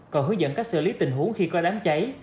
còn hướng dẫn cách xử lý tình huống khi có đám cháy